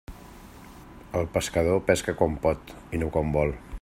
El pescador pesca quan pot i no quan vol.